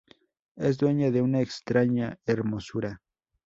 Es dueña de una extraña hermosura.